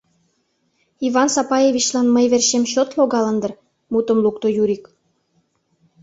— Иван Сапаевичлан мый верчем чот логалын дыр? — мутым лукто Юрик.